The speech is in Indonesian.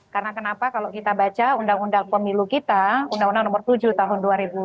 karena kenapa kalau kita baca undang undang pemilu kita undang undang nomor tujuh tahun dua ribu tujuh belas